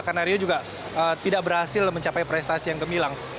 karena rio juga tidak berhasil mencapai prestasi yang gemilang